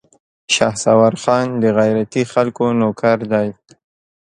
شهسوار خان د غيرتي خلکو نوکر دی.